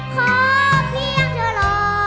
ขอเพียงจะรอ